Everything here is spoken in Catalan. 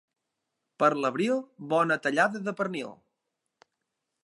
Per l'abril, bona tallada de pernil.